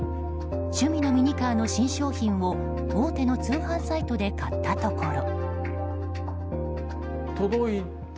趣味のミニカーの新商品を大手の通販サイトで買ったところ。